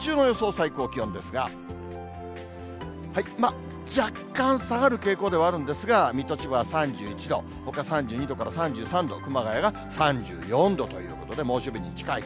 最高気温ですが、若干下がる傾向ではあるんですが、水戸、千葉は３１度、ほか３２度から３３度、熊谷が３４度ということで、猛暑日に近い。